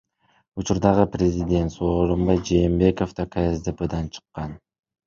Учурдагы президент Сооронбай Жээнбеков да КСДПдан чыккан.